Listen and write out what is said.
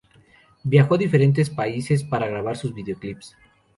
Viajó a diferentes países para grabar sus videoclips.